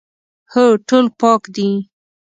هو، ټول پاک دي